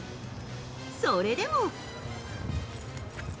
それでも。